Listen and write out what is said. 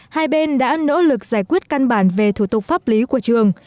hai bên đã nỗ lực giải quyết căn bản về thủ tục pháp lý của trường